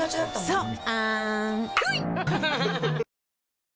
そう。